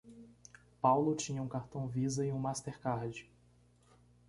Paulo tinha um cartão Visa e um Mastercard.